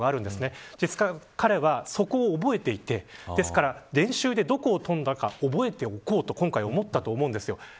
ですから、彼はそこを覚えていて練習でどこを跳んだか覚えておこうと今回思ったと思うんですよ。